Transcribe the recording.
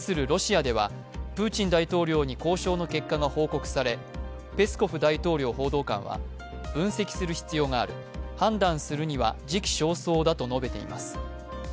ロシアでは、プーチン大統領に交渉の結果が報告され、ペスコフ大統領報道官は、分析する必要がある判断するには時期尚早だと述べています。